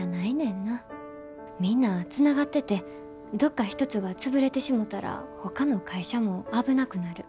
みんなつながっててどっか一つが潰れてしもたらほかの会社も危なくなる。